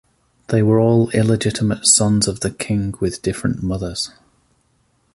They were all illegitimate sons of the king with different mothers.